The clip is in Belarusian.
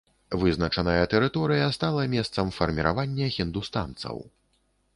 Вызначаная тэрыторыя стала месцам фарміравання хіндустанцаў.